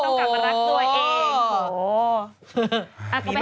โหอย่างงี้